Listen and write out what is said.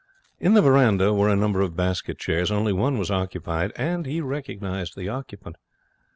In the veranda were a number of basket chairs. Only one was occupied. He recognized the occupant.